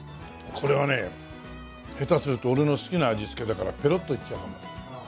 これはね下手すると俺の好きな味付けだからペロッといっちゃうかも。